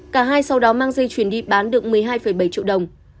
cả hai sau đó mang dây chuyển đi bán được một mươi hai bảy triệu đồng